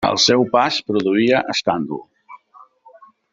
El seu pas produïa escàndol.